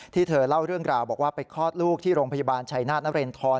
ที่เธอเล่าเรื่องกล่าวบอกว่าไปคลอดลูกที่โรงพยาบาลชัยนาศน์น้ำเรนทรอน